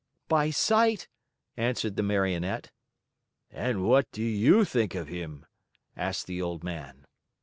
"By sight!" answered the Marionette. "And what do you think of him?" asked the old man.